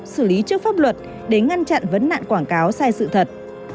xử lý trước pháp luật để ngăn chặn vấn nạn quảng cáo sai sự thật